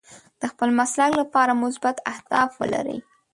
د خپل مسلک لپاره مثبت اهداف ولرئ.